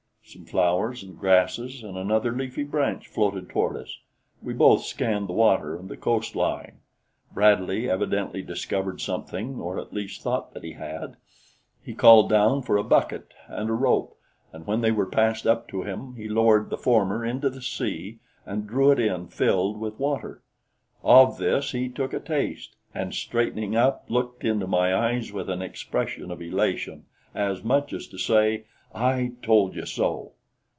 Some flowers and grasses and another leafy branch floated toward us. We both scanned the water and the coastline. Bradley evidently discovered something, or at least thought that he had. He called down for a bucket and a rope, and when they were passed up to him, he lowered the former into the sea and drew it in filled with water. Of this he took a taste, and straightening up, looked into my eyes with an expression of elation as much as to say "I told you so!"